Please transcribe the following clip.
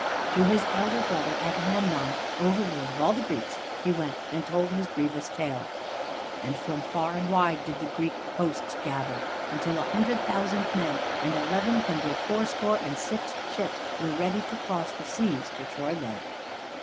To his elder brother Agamemnon, overlord of all the Greeks, he went and told his grievous tale. And from far and wide did the Greek hosts gather, until a hundred thousand men and eleven hundred fourscore and six ships were ready to cross the seas to Troyland.